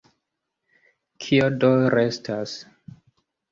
Kio do restas?